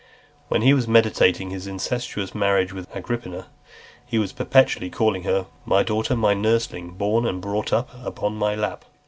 When he was meditating his incestuous marriage with Agrippina, he was perpetually calling her, "My daughter, my nursling, born and brought up upon my lap."